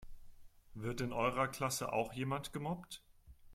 Wird in eurer Klasse auch jemand gemobbt?